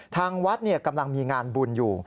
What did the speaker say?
ทางวัดกำลังมีงานบุญอยู่